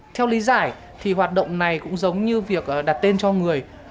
theo lý giải thì hoạt động này cũng giống như việc đặt tên cho người